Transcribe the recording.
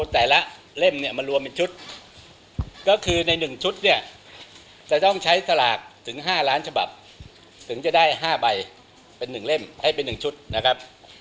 ถึง๕ล้านฉบับถึงจะได้๕ใบเป็น๑เล่มให้เป็น๑ชุดนะครับ